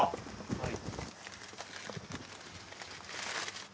はい。